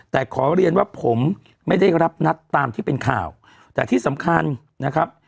แต่ขอเรียนว่าผมไม่ได้รับนัดตามที่เป็นข่าวแต่ที่สำคัญนะครับ